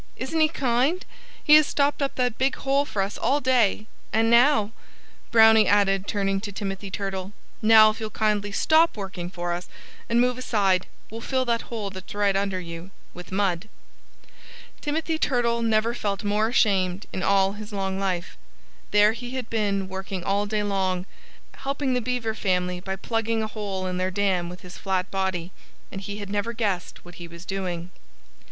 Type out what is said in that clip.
"Isn't he kind? He has stopped up that big hole for us all day.... And now" Brownie added, turning to Timothy Turtle "now if you'll kindly stop working for us and move aside we'll fill that hole that's right under you, with mud." Timothy Turtle never felt more ashamed in all his long life. There he had been working all day long, helping the Beaver family by plugging a hole in their dam with his flat body and he had never guessed what he was doing!